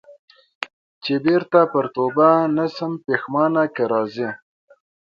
چي بیرته پر توبه نه سم پښېمانه که راځې